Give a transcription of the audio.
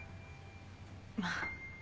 まあ。